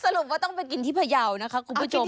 สรุปว่าต้องไปกินที่พยาวนะคะคุณผู้ชม